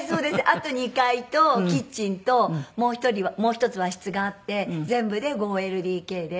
あと２階とキッチンともう１つ和室があって全部で５ＬＤＫで。